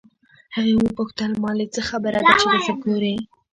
هغې وپوښتل مالې څه خبره ده چې دسې ګورې.